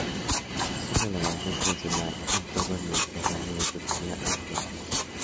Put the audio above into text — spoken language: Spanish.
Es una elaboración tradicional en todo el mediterráneo, de Turquía a Marruecos.